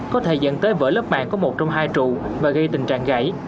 có thể dẫn tới vỡ lớp mạng có một trong hai trụ và gây tình trạng gãy